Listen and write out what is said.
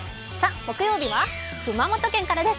木曜日は熊本県からです。